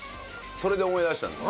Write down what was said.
それで思い出したの今。